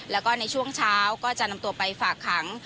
แล้วก็ในช่วงเช้าก็จะนำตัวไปฝากขัง